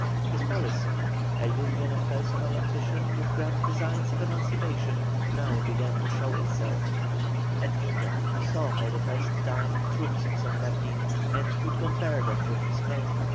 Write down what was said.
His policy, a union of personal ambition with grand designs of emancipation, now began to show itself. At Quito he saw for the first time the troops of San Martin, and could compare them with his own.